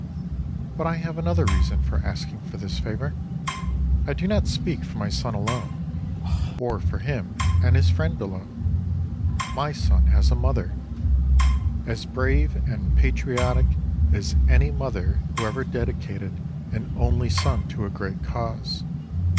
But I have another reason for asking this favor. I do not speak for my son alone; or for him and his friend alone. My son has a mother—as brave and patriotic as any mother who ever dedicated an only son to a great cause.